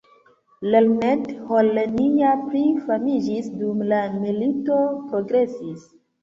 Lernet-Holenia pli famiĝis dum la milito progresis.